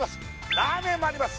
ラーメンもあります